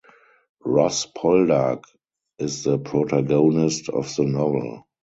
Ross Poldark is the protagonist of the novel.